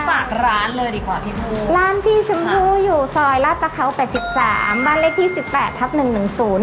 ฝากร้านเลยดีกว่าพี่ผู้ร้านพี่ชมพู่อยู่ซอยลาดประเขาแปดสิบสามบ้านเลขที่สิบแปดทับหนึ่งหนึ่งศูนย์